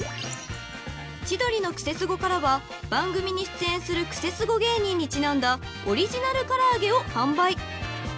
［『千鳥のクセスゴ！』からは番組に出演するクセスゴ芸人にちなんだオリジナルからあげを販売］